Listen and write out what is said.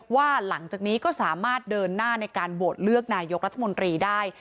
ว่าหลังจากนี้ก็สามารถเดินหน้าในการโหวตเลือกนายกรัฐมนตรีได้